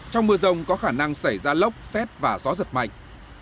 trong mưa rông có khả năng xảy ra lốc xét và gió giật mạnh